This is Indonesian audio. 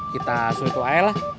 kita suruh itu ayo lah